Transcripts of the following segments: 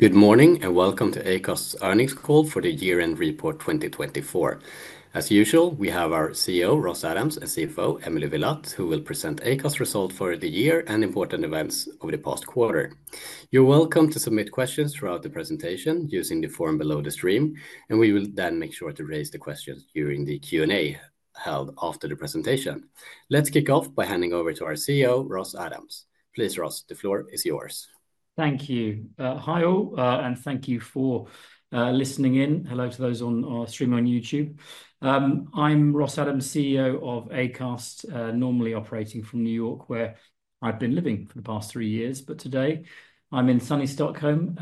Good morning and welcome to Acast's earnings call for the year-end report 2024. As usual, we have our CEO, Ross Adams, and CFO, Emily Villatte, who will present Acast's results for the year and important events over the past quarter. You're welcome to submit questions throughout the presentation using the form below the stream, and we will then make sure to raise the questions during the Q&A held after the presentation. Let's kick off by handing over to our CEO, Ross Adams. Please, Ross, the floor is yours. Thank you. Hi all, and thank you for listening in. Hello to those on our stream on YouTube. I'm Ross Adams, CEO of Acast, normally operating from New York, where I've been living for the past three years, but today I'm in sunny Stockholm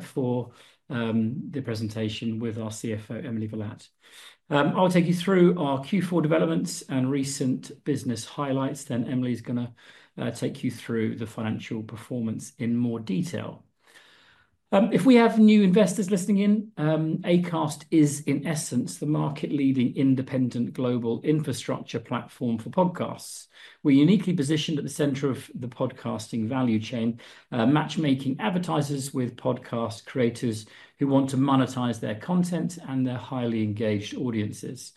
for the presentation with our CFO, Emily Villatte. I'll take you through our Q4 developments and recent business highlights. Then Emily's going to take you through the financial performance in more detail. If we have new investors listening in, Acast is, in essence, the market-leading independent global infrastructure platform for podcasts. We're uniquely positioned at the center of the podcasting value chain, matchmaking advertisers with podcast creators who want to monetize their content and their highly engaged audiences.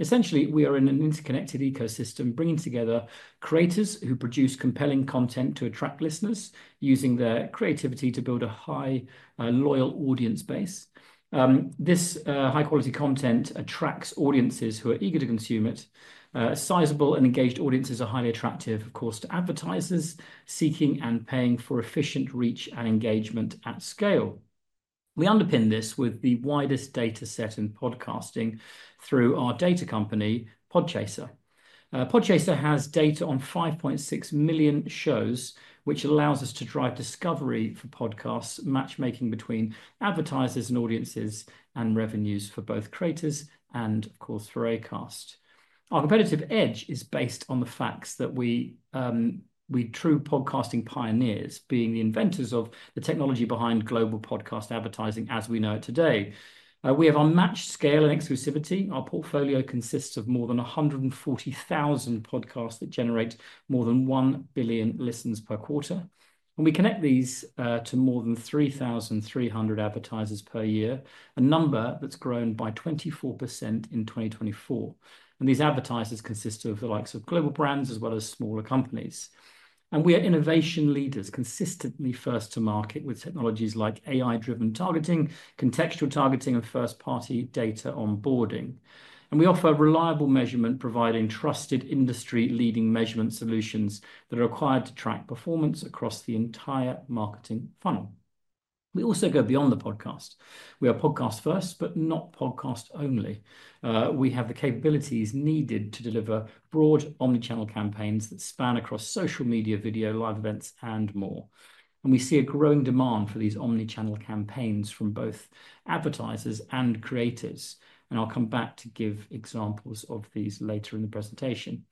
Essentially, we are in an interconnected ecosystem bringing together creators who produce compelling content to attract listeners using their creativity to build a high, loyal audience base. This high-quality content attracts audiences who are eager to consume it. Sizable and engaged audiences are highly attractive, of course, to advertisers seeking and paying for efficient reach and engagement at scale. We underpin this with the widest data set in podcasting through our data company, Podchaser. Podchaser has data on 5.6 million shows, which allows us to drive discovery for podcasts, matchmaking between advertisers and audiences, and revenues for both creators and, of course, for Acast. Our competitive edge is based on the fact that we're true podcasting pioneers, being the inventors of the technology behind global podcast advertising as we know it today. We have unmatched scale and exclusivity. Our portfolio consists of more than 140,000 podcasts that generate more than 1 billion listens per quarter, and we connect these to more than 3,300 advertisers per year, a number that's grown by 24% in 2024. These advertisers consist of the likes of global brands as well as smaller companies. We are innovation leaders, consistently first to market with technologies like AI-driven targeting, contextual targeting, and first-party data onboarding. We offer reliable measurement, providing trusted industry-leading measurement solutions that are required to track performance across the entire marketing funnel. We also go beyond the podcast. We are podcast-first, but not podcast-only. We have the capabilities needed to deliver broad omnichannel campaigns that span across social media, video, live events, and more. We see a growing demand for these omnichannel campaigns from both advertisers and creators. I'll come back to give examples of these later in the presentation.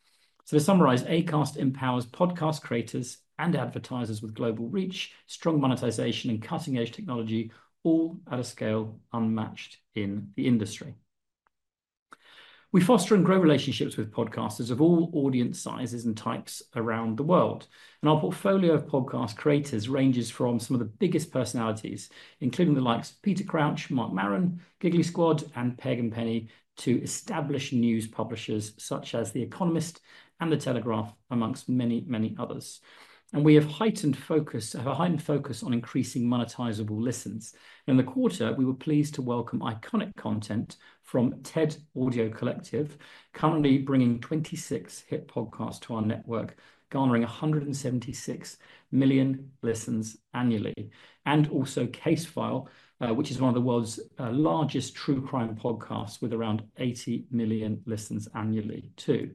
To summarize, Acast empowers podcast creators and advertisers with global reach, strong monetization, and cutting-edge technology, all at a scale unmatched in the industry. We foster and grow relationships with podcasters of all audience sizes and types around the world, and our portfolio of podcast creators ranges from some of the biggest personalities, including the likes of Peter Crouch, Marc Maron, Giggly Squad, and Peg and Penny, to established news publishers such as The Economist and The Telegraph, amongst many, many others. We have a heightened focus on increasing monetizable listens. In the quarter, we were pleased to welcome iconic content from TED Audio Collective, currently bringing 26 hit podcasts to our network, garnering 176 million listens annually, and also Casefile, which is one of the world's largest true crime podcasts with around 80 million listens annually too.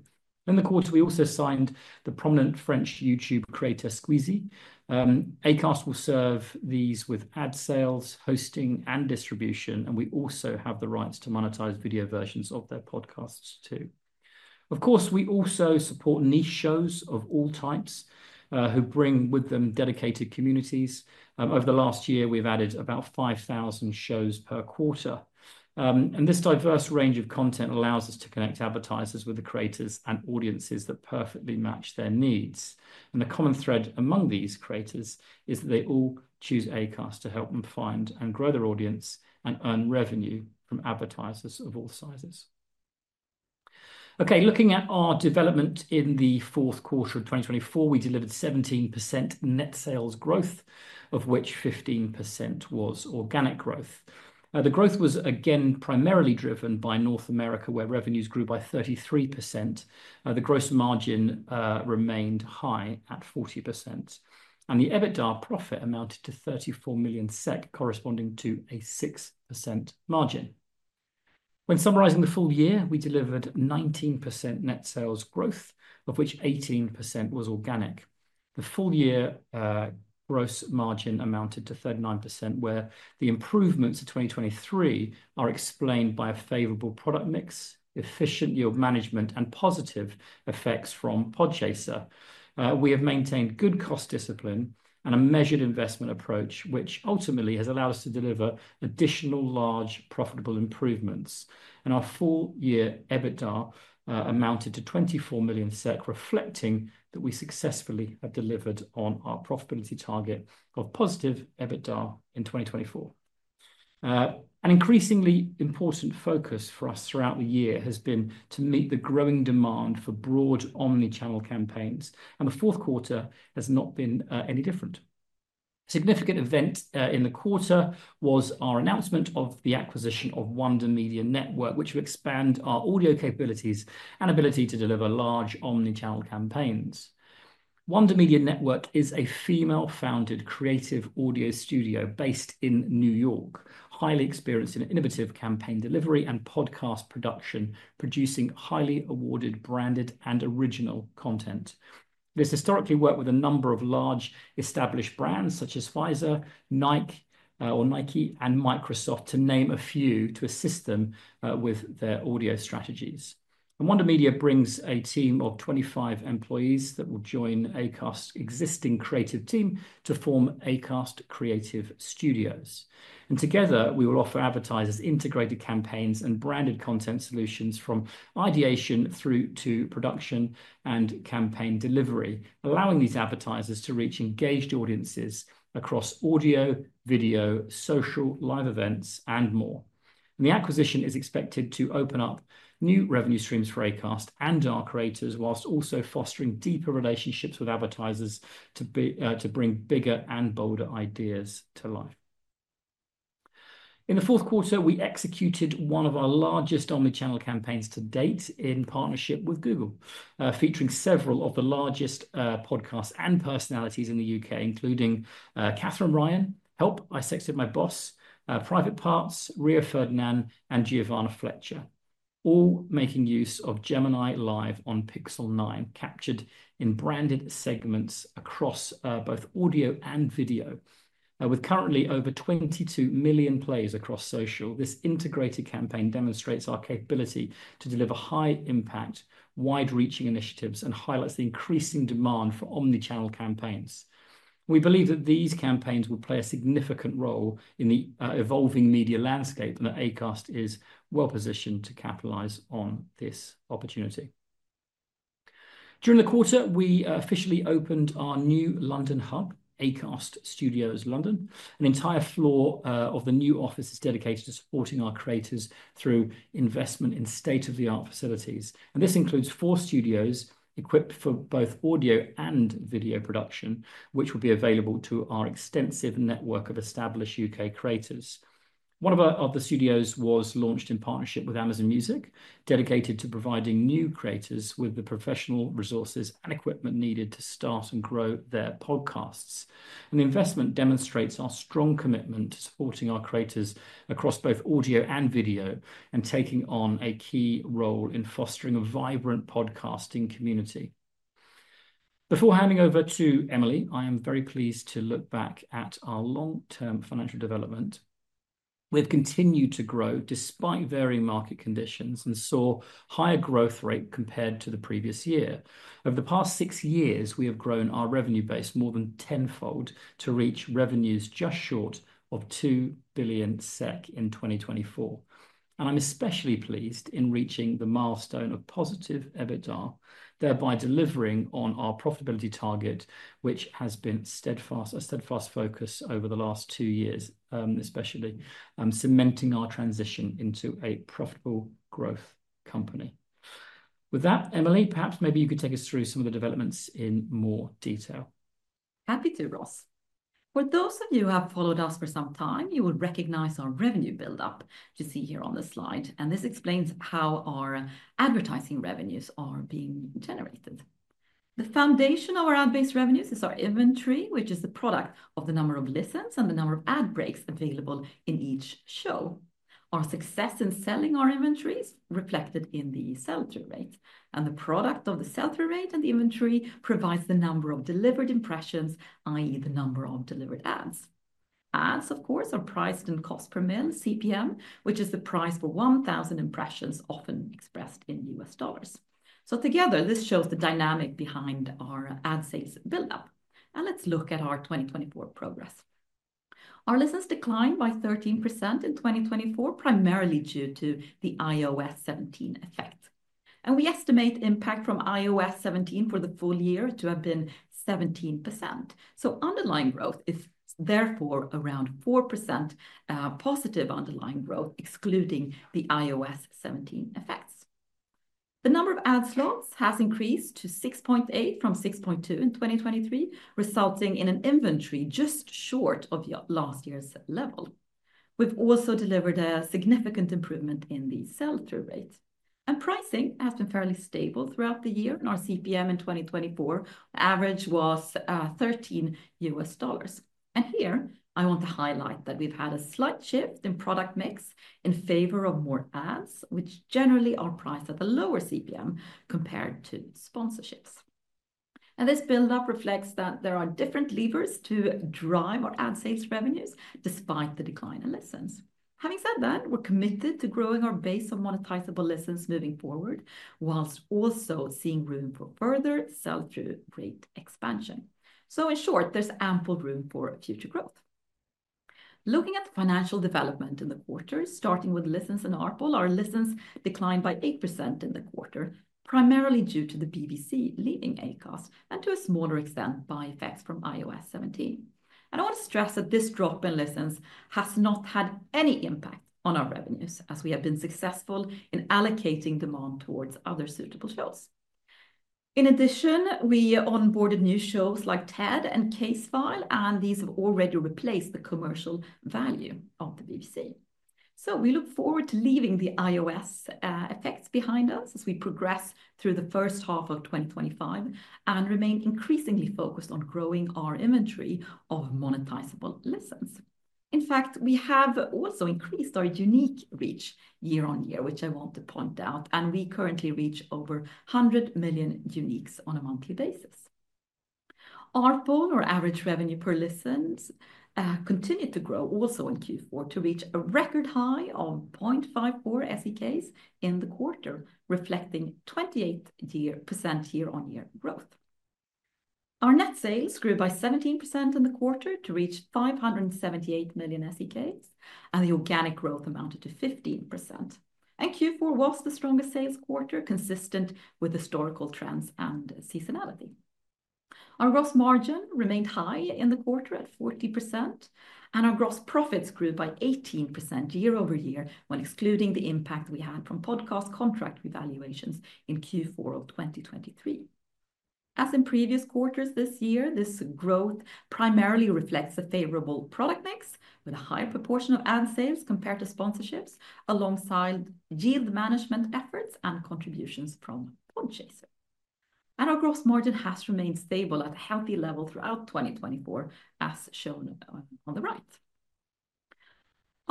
In the quarter, we also signed the prominent French YouTube creator Squeezie. Acast will serve these with ad sales, hosting, and distribution, and we also have the rights to monetize video versions of their podcasts too. Of course, we also support niche shows of all types who bring with them dedicated communities. Over the last year, we've added about 5,000 shows per quarter. And this diverse range of content allows us to connect advertisers with the creators and audiences that perfectly match their needs. And the common thread among these creators is that they all choose Acast to help them find and grow their audience and earn revenue from advertisers of all sizes. Okay, looking at our development in the fourth quarter of 2024, we delivered 17% net sales growth, of which 15% was organic growth. The growth was again primarily driven by North America, where revenues grew by 33%. The gross margin remained high at 40%. The EBITDA profit amounted to 34 million SEK, corresponding to a 6% margin. When summarizing the full year, we delivered 19% net sales growth, of which 18% was organic. The full-year gross margin amounted to 39%, where the improvements to 2023 are explained by a favorable product mix, efficient yield management, and positive effects from Podchaser. We have maintained good cost discipline and a measured investment approach, which ultimately has allowed us to deliver additional large profitable improvements. Our full-year EBITDA amounted to 24 million SEK, reflecting that we successfully have delivered on our profitability target of positive EBITDA in 2024. An increasingly important focus for us throughout the year has been to meet the growing demand for broad omnichannel campaigns, and the fourth quarter has not been any different. A significant event in the quarter was our announcement of the acquisition of Wonder Media Network, which will expand our audio capabilities and ability to deliver large omnichannel campaigns. Wonder Media Network is a female-founded creative audio studio based in New York, highly experienced in innovative campaign delivery and podcast production, producing highly awarded branded and original content. They've historically worked with a number of large established brands such as Pfizer, Nike, or Microsoft to name a few, to assist them with their audio strategies. And Wonder Media brings a team of 25 employees that will join Acast's existing creative team to form Acast Creative Studios. And together, we will offer advertisers integrated campaigns and branded content solutions from ideation through to production and campaign delivery, allowing these advertisers to reach engaged audiences across audio, video, social, live events, and more. The acquisition is expected to open up new revenue streams for Acast and our creators, while also fostering deeper relationships with advertisers to bring bigger and bolder ideas to life. In the fourth quarter, we executed one of our largest omnichannel campaigns to date in partnership with Google, featuring several of the largest podcasts and personalities in the U.K., including Katherine Ryan, Help I Sexted My Boss, Private Parts, Rio Ferdinand, and Giovanna Fletcher, all making use of Gemini Live on Pixel 9, captured in branded segments across both audio and video. With currently over 22 million plays across social, this integrated campaign demonstrates our capability to deliver high-impact, wide-reaching initiatives and highlights the increasing demand for omnichannel campaigns. We believe that these campaigns will play a significant role in the evolving media landscape and that Acast is well-positioned to capitalize on this opportunity. During the quarter, we officially opened our new London hub, Acast Studios London. An entire floor of the new office is dedicated to supporting our creators through investment in state-of-the-art facilities. And this includes four studios equipped for both audio and video production, which will be available to our extensive network of established UK creators. One of the studios was launched in partnership with Amazon Music, dedicated to providing new creators with the professional resources and equipment needed to start and grow their podcasts. And the investment demonstrates our strong commitment to supporting our creators across both audio and video and taking on a key role in fostering a vibrant podcasting community. Before handing over to Emily, I am very pleased to look back at our long-term financial development. We have continued to grow despite varying market conditions and saw a higher growth rate compared to the previous year. Over the past six years, we have grown our revenue base more than tenfold to reach revenues just short of 2 billion SEK in 2024. And I'm especially pleased in reaching the milestone of positive EBITDA, thereby delivering on our profitability target, which has been a steadfast focus over the last two years, especially cementing our transition into a profitable growth company. With that, Emily, perhaps maybe you could take us through some of the developments in more detail. Happy to, Ross. For those of you who have followed us for some time, you will recognize our revenue buildup to see here on the slide. And this explains how our advertising revenues are being generated. The foundation of our ad-based revenues is our inventory, which is the product of the number of listens and the number of ad breaks available in each show. Our success in selling our inventory is reflected in the sell-through rate. And the product of the sell-through rate and the inventory provides the number of delivered impressions, i.e., the number of delivered ads. Ads, of course, are priced in cost per million, CPM, which is the price for 1,000 impressions, often expressed in U.S. dollars. So together, this shows the dynamic behind our ad sales buildup. And let's look at our 2024 progress. Our listens declined by 13% in 2024, primarily due to the iOS 17 effect, and we estimate impact from iOS 17 for the full year to have been 17%, so underlying growth is therefore around 4% positive underlying growth, excluding the iOS 17 effects. The number of ad slots has increased to 6.8 from 6.2 in 2023, resulting in an inventory just short of last year's level. We've also delivered a significant improvement in the sell-through rate, and pricing has been fairly stable throughout the year, and our CPM in 2024 average was $13, and here, I want to highlight that we've had a slight shift in product mix in favor of more ads, which generally are priced at a lower CPM compared to sponsorships, and this buildup reflects that there are different levers to drive our ad sales revenues despite the decline in listens. Having said that, we're committed to growing our base of monetizable listens moving forward, while also seeing room for further sell-through rate expansion. So in short, there's ample room for future growth. Looking at the financial development in the quarter, starting with listens and ARPL, our listens declined by 8% in the quarter, primarily due to the BBC leaving Acast and to a smaller extent by effects from iOS 17 and I want to stress that this drop in listens has not had any impact on our revenues, as we have been successful in allocating demand towards other suitable shows. In addition, we onboarded new shows like TED and Casefile, and these have already replaced the commercial value of the BBC. So we look forward to leaving the iOS effects behind us as we progress through the first half of 2025 and remain increasingly focused on growing our inventory of monetizable listens. In fact, we have also increased our unique reach year on year, which I want to point out, and we currently reach over 100 million uniques on a monthly basis. ARPL, our average revenue per listens, continued to grow also in Q4 to reach a record high of 0.54 SEK in the quarter, reflecting 28% year-on-year growth. Our net sales grew by 17% in the quarter to reach 578 million SEK, and the organic growth amounted to 15%. And Q4 was the strongest sales quarter, consistent with historical trends and seasonality. Our gross margin remained high in the quarter at 40%, and our gross profits grew by 18% year-over-year when excluding the impact we had from podcast contract revaluations in Q4 of 2023. As in previous quarters this year, this growth primarily reflects a favorable product mix with a higher proportion of ad sales compared to sponsorships, alongside yield management efforts and contributions from Podchaser, and our gross margin has remained stable at a healthy level throughout 2024, as shown on the right.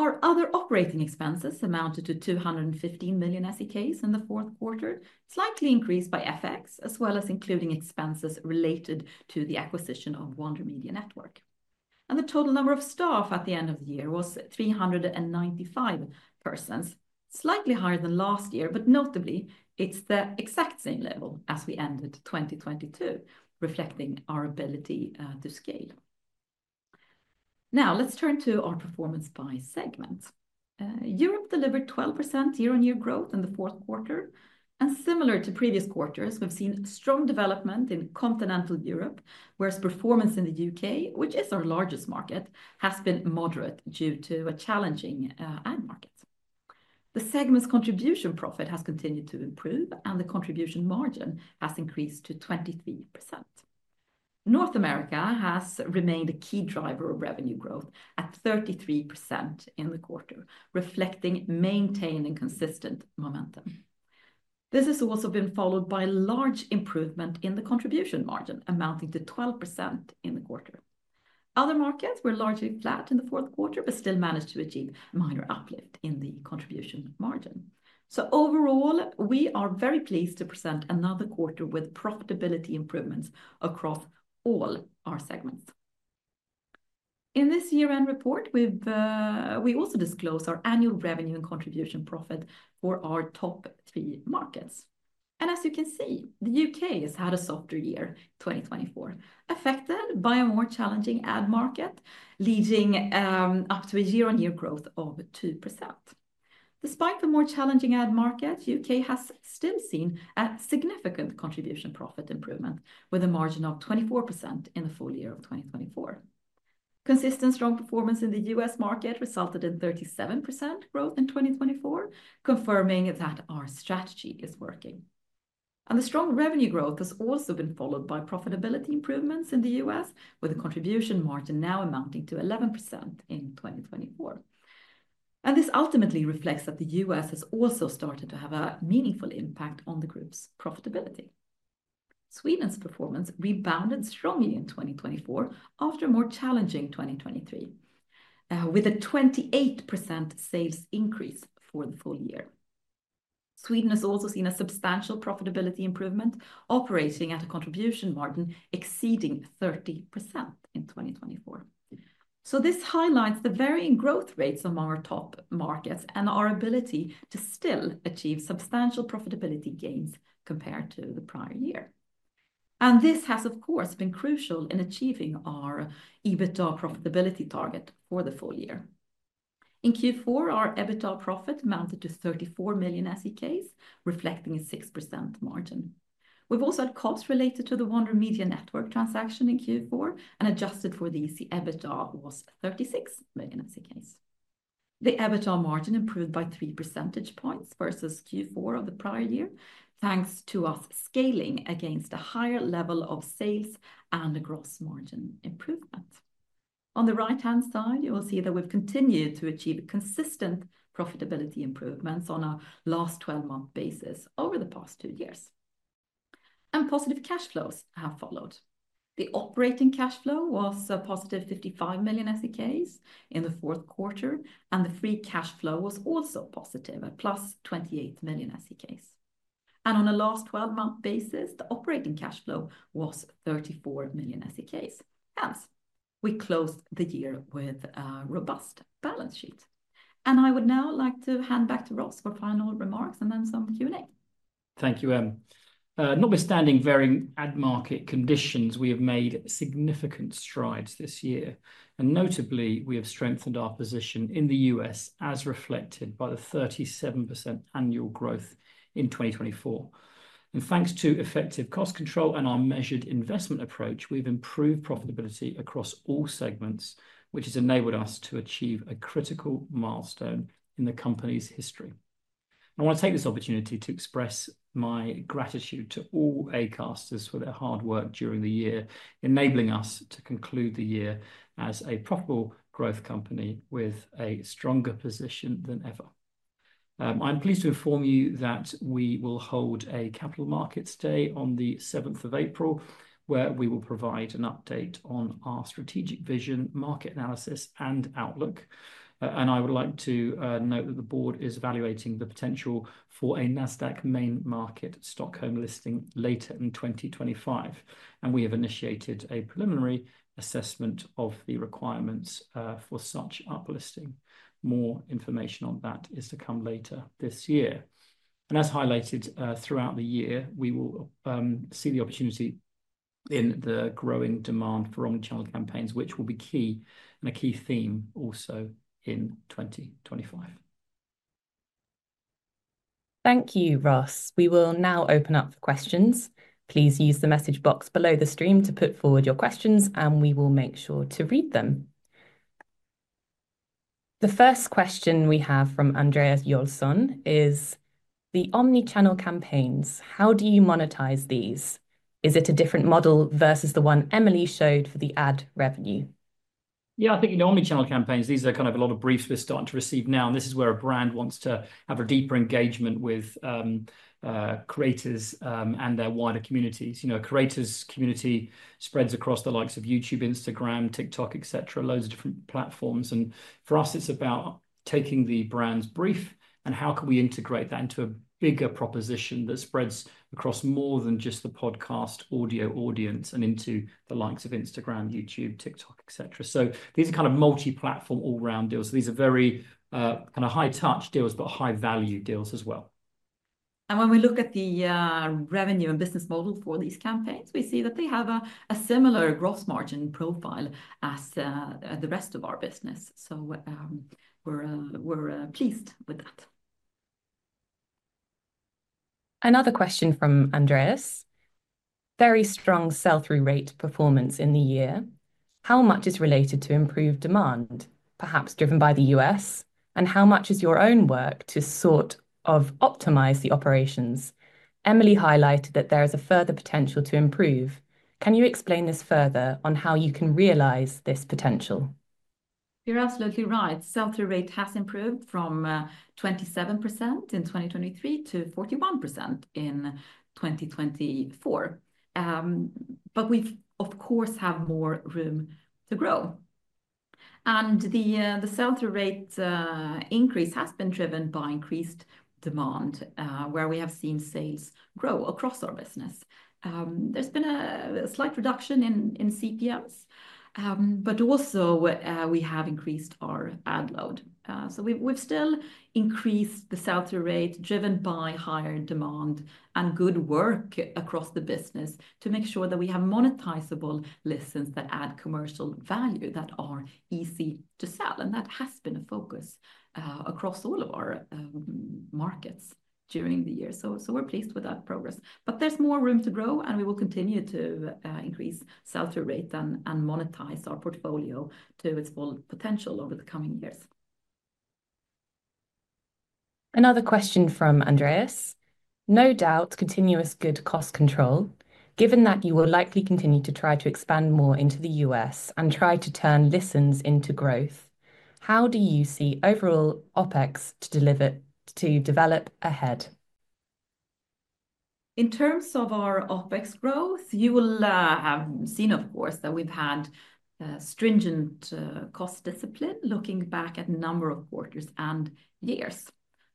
Our other operating expenses amounted to 215 million SEK in the fourth quarter, slightly increased by FX, as well as including expenses related to the acquisition of Wonder Media Network, and the total number of staff at the end of the year was 395 persons, slightly higher than last year, but notably, it's the exact same level as we ended 2022, reflecting our ability to scale. Now, let's turn to our performance by segment. Europe delivered 12% year-over-year growth in the fourth quarter, and similar to previous quarters, we've seen strong development in continental Europe, whereas performance in the UK, which is our largest market, has been moderate due to a challenging ad market. The segment's contribution profit has continued to improve, and the contribution margin has increased to 23%. North America has remained a key driver of revenue growth at 33% in the quarter, reflecting maintained and consistent momentum. This has also been followed by a large improvement in the contribution margin, amounting to 12% in the quarter. Other markets were largely flat in the fourth quarter, but still managed to achieve minor uplift in the contribution margin, so overall, we are very pleased to present another quarter with profitability improvements across all our segments. In this year-end report, we also disclose our annual revenue and contribution profit for our top three markets. As you can see, the U.K. has had a softer year 2024, affected by a more challenging ad market, leading up to a year-on-year growth of 2%. Despite the more challenging ad market, the U.K. has still seen a significant contribution profit improvement, with a margin of 24% in the full year of 2024. Consistent strong performance in the U.S. market resulted in 37% growth in 2024, confirming that our strategy is working. The strong revenue growth has also been followed by profitability improvements in the U.S., with the contribution margin now amounting to 11% in 2024. This ultimately reflects that the U.S. has also started to have a meaningful impact on the group's profitability. Sweden's performance rebounded strongly in 2024 after a more challenging 2023, with a 28% sales increase for the full year. Sweden has also seen a substantial profitability improvement, operating at a contribution margin exceeding 30% in 2024, so this highlights the varying growth rates among our top markets and our ability to still achieve substantial profitability gains compared to the prior year, and this has, of course, been crucial in achieving our EBITDA profitability target for the full year. In Q4, our EBITDA profit amounted to 34 million SEK, reflecting a 6% margin. We've also had costs related to the Wonder Media Network transaction in Q4 and, adjusted for these, the EBITDA was 36 million SEK. The EBITDA margin improved by 3 percentage points versus Q4 of the prior year, thanks to us scaling against a higher level of sales and a gross margin improvement. On the right-hand side, you will see that we've continued to achieve consistent profitability improvements on a last 12-month basis over the past two years. And positive cash flows have followed. The operating cash flow was a positive 55 million SEK in the fourth quarter, and the free cash flow was also positive, at plus 28 million SEK. And on a last 12-month basis, the operating cash flow was 34 million SEK. Hence, we closed the year with a robust balance sheet. And I would now like to hand back to Ross for final remarks and then some Q&A. Thank you, Em. Notwithstanding varying ad market conditions, we have made significant strides this year. Notably, we have strengthened our position in the U.S., as reflected by the 37% annual growth in 2024. Thanks to effective cost control and our measured investment approach, we've improved profitability across all segments, which has enabled us to achieve a critical milestone in the company's history. I want to take this opportunity to express my gratitude to all Acasters for their hard work during the year, enabling us to conclude the year as a profitable growth company with a stronger position than ever. I'm pleased to inform you that we will hold a Capital Markets Day on the 7th of April, where we will provide an update on our strategic vision, market analysis, and outlook. And I would like to note that the board is evaluating the potential for a Nasdaq main market Stockholm listing later in 2025. And we have initiated a preliminary assessment of the requirements for such uplisting. More information on that is to come later this year. And as highlighted throughout the year, we will see the opportunity in the growing demand for omnichannel campaigns, which will be key and a key theme also in 2025. Thank you, Ross. We will now open up for questions. Please use the message box below the stream to put forward your questions, and we will make sure to read them. The first question we have from Andreas Joelsson is, "The omnichannel campaigns, how do you monetize these? Is it a different model versus the one Emily showed for the ad revenue? Yeah, I think in the omnichannel campaigns, these are kind of a lot of briefs we're starting to receive now. And this is where a brand wants to have a deeper engagement with creators and their wider communities. You know, a creator's community spreads across the likes of YouTube, Instagram, TikTok, etc., loads of different platforms. And for us, it's about taking the brand's brief and how can we integrate that into a bigger proposition that spreads across more than just the podcast audio audience and into the likes of Instagram, YouTube, TikTok, etc. So these are kind of multi-platform, all-round deals. These are very kind of high-touch deals, but high-value deals as well. When we look at the revenue and business model for these campaigns, we see that they have a similar gross margin profile as the rest of our business. We're pleased with that. Another question from Andreas. Very strong sell-through rate performance in the year. How much is related to improved demand, perhaps driven by the U.S., and how much is your own work to sort of optimize the operations? Emily highlighted that there is a further potential to improve. Can you explain this further on how you can realize this potential? You're absolutely right. Sell-through rate has improved from 27% in 2023 to 41% in 2024. But we've, of course, had more room to grow. And the sell-through rate increase has been driven by increased demand, where we have seen sales grow across our business. There's been a slight reduction in CPMs, but also we have increased our ad load. So we've still increased the sell-through rate driven by higher demand and good work across the business to make sure that we have monetizable listens that add commercial value that are easy to sell. And that has been a focus across all of our markets during the year. So we're pleased with that progress. But there's more room to grow, and we will continue to increase sell-through rate and monetize our portfolio to its full potential over the coming years. Another question from Andreas. No doubt, continuous good cost control. Given that you will likely continue to try to expand more into the U.S. and try to turn listens into growth, how do you see overall OPEX to develop ahead? In terms of our OpEx growth, you will have seen, of course, that we've had stringent cost discipline looking back at a number of quarters and years,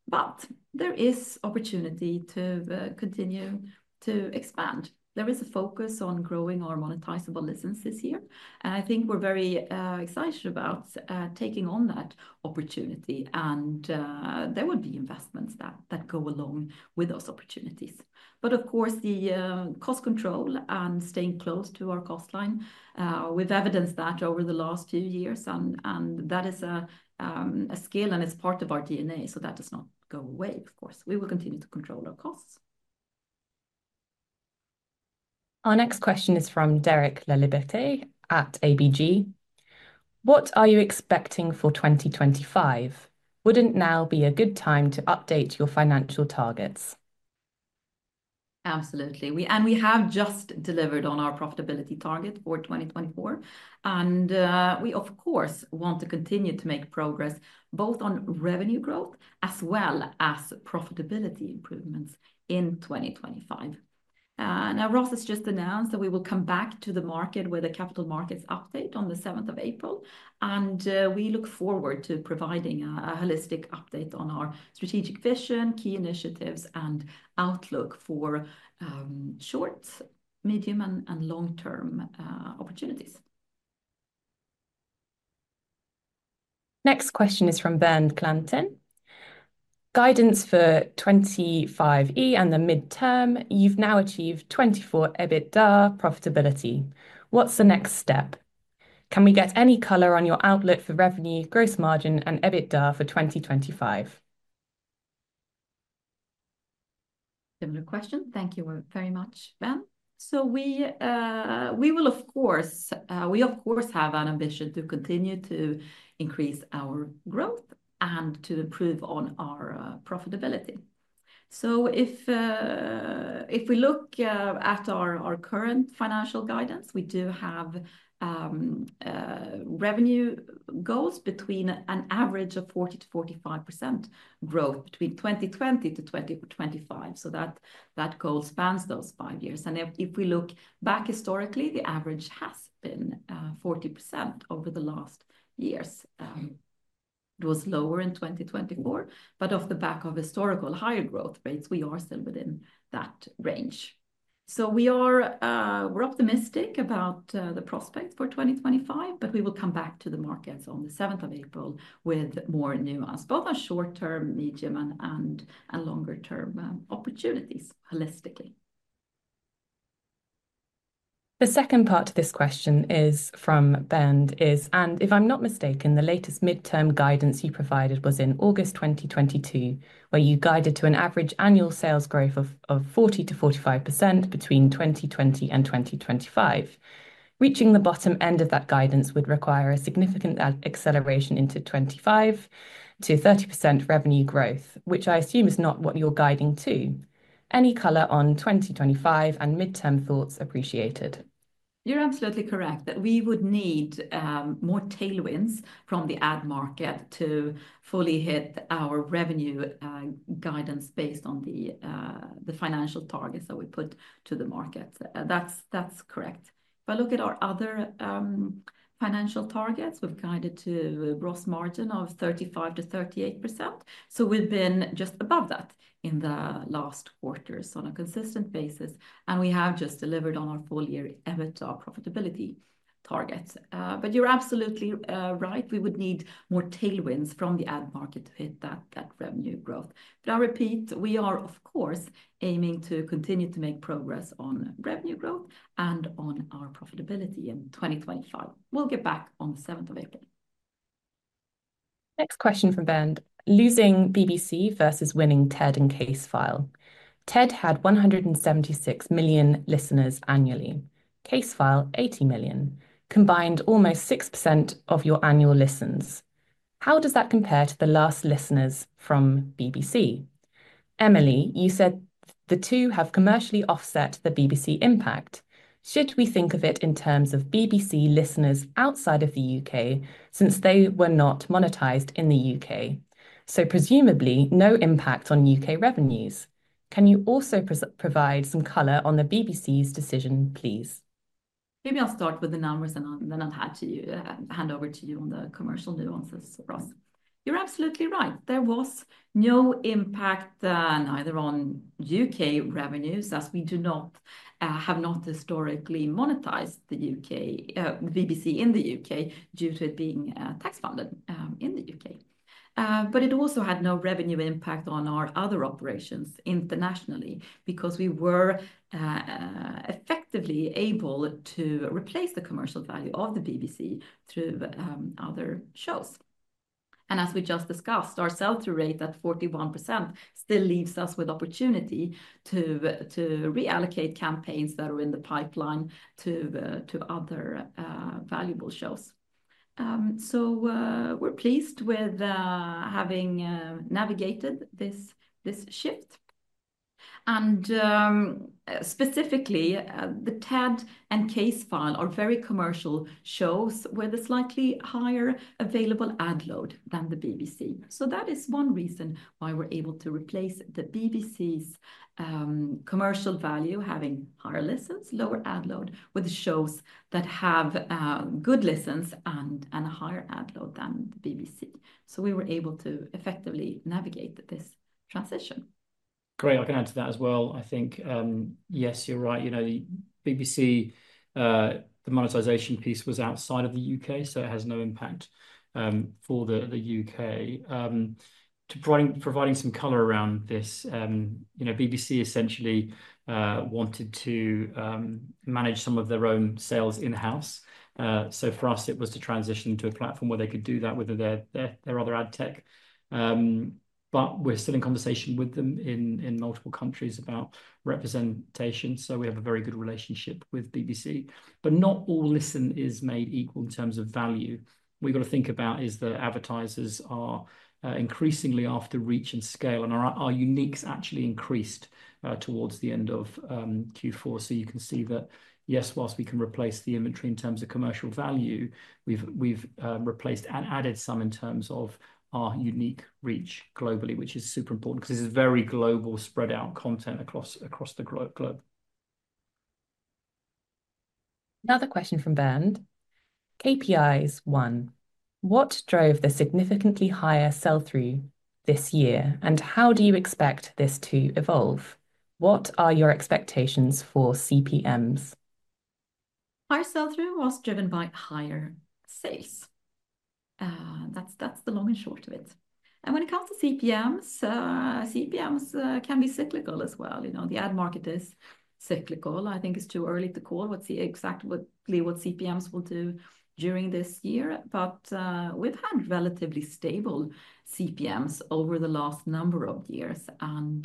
but there is opportunity to continue to expand. There is a focus on growing our monetizable listens this year, and I think we're very excited about taking on that opportunity, and there would be investments that go along with those opportunities, but of course, the cost control and staying close to our cost line, we've evidenced that over the last few years, and that is a skill and it's part of our DNA, so that does not go away, of course. We will continue to control our costs. Our next question is from Derek Laliberté at ABG. What are you expecting for 2025? Wouldn't now be a good time to update your financial targets? Absolutely, and we have just delivered on our profitability target for 2024, and we, of course, want to continue to make progress both on revenue growth as well as profitability improvements in 2025. Now, Ross has just announced that we will come back to the market with a Capital Markets Day on the 7th of April, and we look forward to providing a holistic update on our strategic vision, key initiatives, and outlook for short, medium, and long-term opportunities. Next question is from Ben Klanten. Guidance for 2025 and the midterm, you've now achieved 24 EBITDA profitability. What's the next step? Can we get any color on your outlook for revenue, gross margin, and EBITDA for 2025? Similar question. Thank you very much, Ben. So we will, of course, have an ambition to continue to increase our growth and to improve on our profitability. So if we look at our current financial guidance, we do have revenue goals between an average of 40%-45% growth between 2020 to 2025. So that goal spans those five years. And if we look back historically, the average has been 40% over the last years. It was lower in 2024. But off the back of historical higher growth rates, we are still within that range. So we are optimistic about the prospects for 2025, but we will come back to the markets on the 7th of April with more nuance, both on short-term, medium, and longer-term opportunities holistically. The second part of this question is from Ben, and if I'm not mistaken, the latest midterm guidance you provided was in August 2022, where you guided to an average annual sales growth of 40%-45% between 2020 and 2025. Reaching the bottom end of that guidance would require a significant acceleration into 2025 to 30% revenue growth, which I assume is not what you're guiding to. Any color on 2025 and midterm thoughts appreciated? You're absolutely correct that we would need more tailwinds from the ad market to fully hit our revenue guidance based on the financial targets that we put to the market. That's correct. If I look at our other financial targets, we've guided to a gross margin of 35%-38%, so we've been just above that in the last quarters on a consistent basis, and we have just delivered on our full-year EBITDA profitability targets, but you're absolutely right. We would need more tailwinds from the ad market to hit that revenue growth, but I'll repeat, we are, of course, aiming to continue to make progress on revenue growth and on our profitability in 2025. We'll get back on the 7th of April. Next question from Ben. Losing BBC versus winning TED and Casefile. TED had 176 million listeners annually. Casefile, 80 million. Combined, almost 6% of your annual listens. How does that compare to the last listeners from BBC? Emily, you said the two have commercially offset the BBC impact. Should we think of it in terms of BBC listeners outside of the UK since they were not monetized in the UK? So presumably no impact on UK revenues. Can you also provide some color on the BBC's decision, please? Maybe I'll start with the numbers and then I'll hand over to you on the commercial nuances, Ross. You're absolutely right. There was no impact neither on UK revenues, as we have not historically monetized the BBC in the UK due to it being tax-funded in the UK, but it also had no revenue impact on our other operations internationally because we were effectively able to replace the commercial value of the BBC through other shows, and as we just discussed, our sell-through rate at 41% still leaves us with opportunity to reallocate campaigns that are in the pipeline to other valuable shows, so we're pleased with having navigated this shift, and specifically, the TED and Casefile are very commercial shows with a slightly higher available ad load than the BBC. So that is one reason why we're able to replace the BBC's commercial value, having higher listens, lower ad load, with the shows that have good listens and a higher ad load than the BBC. So we were able to effectively navigate this transition. Great. I can add to that as well. I think, yes, you're right. You know, the BBC, the monetization piece was outside of the UK, so it has no impact for the UK. To provide some color around this, BBC essentially wanted to manage some of their own sales in-house. So for us, it was to transition to a platform where they could do that with their other ad tech. But we're still in conversation with them in multiple countries about representation. So we have a very good relationship with BBC. But not all listen is made equal in terms of value. We've got to think about is the advertisers are increasingly after reach and scale. And our uniques actually increased towards the end of Q4. So you can see that, yes, whilst we can replace the inventory in terms of commercial value, we've replaced and added some in terms of our unique reach globally, which is super important because this is very global spread out content across the globe. Another question from Ben. KPIs one. What drove the significantly higher sell-through this year? And how do you expect this to evolve? What are your expectations for CPMs? High sell-through was driven by higher sales. That's the long and short of it. And when it comes to CPMs, CPMs can be cyclical as well. You know, the ad market is cyclical. I think it's too early to call what exactly CPMs will do during this year. But we've had relatively stable CPMs over the last number of years. And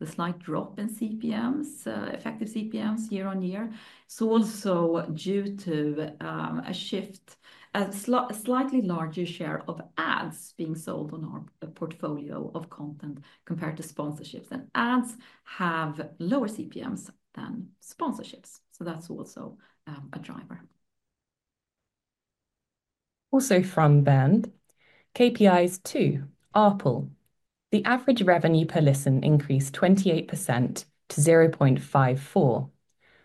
the slight drop in CPMs, effective CPMs year on year, is also due to a shift, a slightly larger share of ads being sold on our portfolio of content compared to sponsorships. And ads have lower CPMs than sponsorships. So that's also a driver. Also from Ben. KPIs two, ARPL. The average revenue per listen increased 28% to 0.54.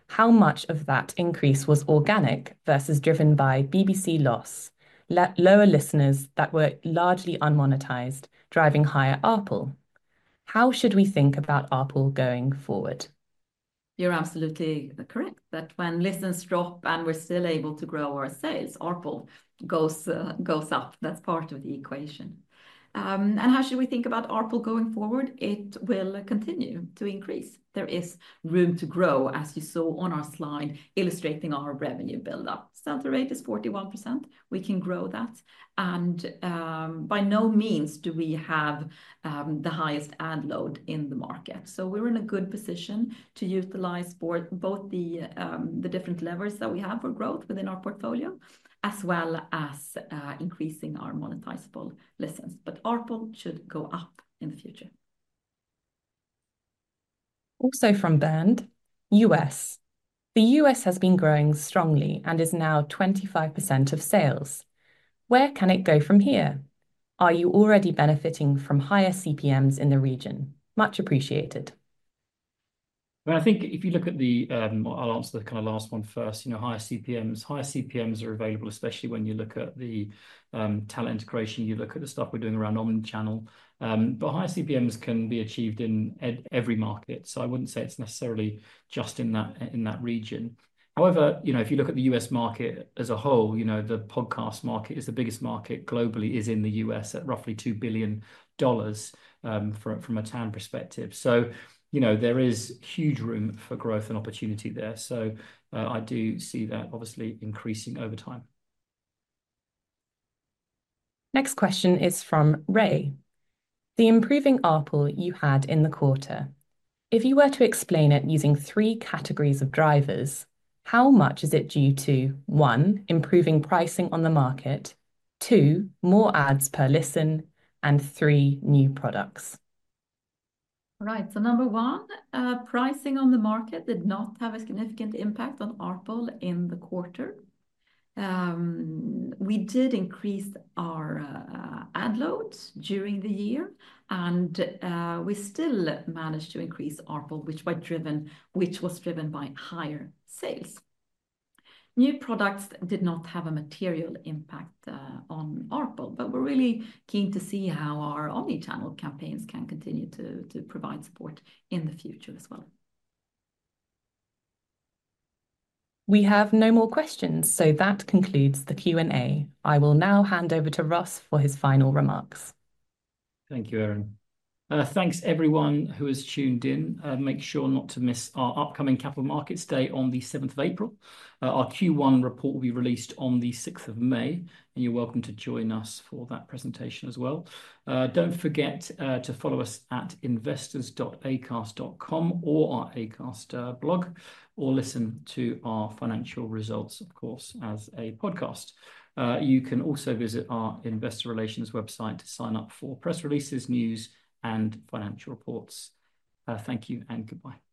How much of that increase was organic versus driven by BBC loss, lower listeners that were largely unmonetized, driving higher ARPL? How should we think about ARPL going forward? You're absolutely correct that when listens drop and we're still able to grow our sales, ARPL goes up. That's part of the equation, and how should we think about ARPL going forward? It will continue to increase. There is room to grow, as you saw on our slide illustrating our revenue buildup. Sell-through rate is 41%. We can grow that, and by no means do we have the highest ad load in the market, so we're in a good position to utilize both the different levers that we have for growth within our portfolio, as well as increasing our monetizable listens, but ARPL should go up in the future. Also from Ben, U.S. The U.S. has been growing strongly and is now 25% of sales. Where can it go from here? Are you already benefiting from higher CPMs in the region? Much appreciated. I think if you look at the, I'll answer the kind of last one first, you know, higher CPMs. Higher CPMs are available, especially when you look at the talent integration, you look at the stuff we're doing around omnichannel. But higher CPMs can be achieved in every market. So I wouldn't say it's necessarily just in that region. However, you know, if you look at the U.S. market as a whole, you know, the podcast market is the biggest market globally is in the U.S. at roughly $2 billion from a TAM perspective. So, you know, there is huge room for growth and opportunity there. So I do see that obviously increasing over time. Next question is from Ray. The improving ARPL you had in the quarter. If you were to explain it using three categories of drivers, how much is it due to, one, improving pricing on the market, two, more ads per listen, and three, new products? Right. So number one, pricing on the market did not have a significant impact on ARPL in the quarter. We did increase our ad load during the year. And we still managed to increase ARPL, which was driven by higher sales. New products did not have a material impact on ARPL. But we're really keen to see how our omnichannel campaigns can continue to provide support in the future as well. We have no more questions. So that concludes the Q&A. I will now hand over to Ross for his final remarks. Thank you, Erin. Thanks, everyone who has tuned in. Make sure not to miss our upcoming Capital Markets Day on the 7th of April. Our Q1 report will be released on the 6th of May. And you're welcome to join us for that presentation as well. Don't forget to follow us at investors.acast.com or our Acast blog, or listen to our financial results, of course, as a podcast. You can also visit our investor relations website to sign up for press releases, news, and financial reports. Thank you and goodbye.